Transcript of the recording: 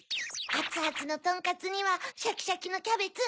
アツアツのとんかつにはシャキシャキのキャベツ。